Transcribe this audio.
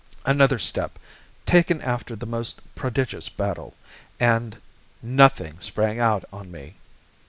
Another step taken after the most prodigious battle and NOTHING sprang out on me.